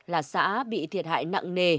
là xã bị thiệt hại nặng nề